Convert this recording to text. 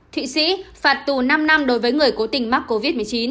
thụy sĩ phạt tù năm năm đối với người cố tình mắc covid một mươi chín